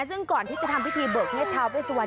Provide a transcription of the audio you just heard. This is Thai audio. ซึ่งก่อนที่จะทำพิธีเบิกเงียดท้าวเวสวัน